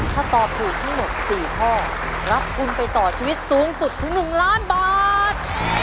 ถ้าตอบถูกทั้งหมด๔ข้อรับทุนไปต่อชีวิตสูงสุดถึง๑ล้านบาท